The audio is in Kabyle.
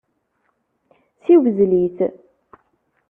Siwzel-it.